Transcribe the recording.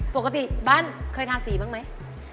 ปกติบ้านเคยทาสีบ้างไหม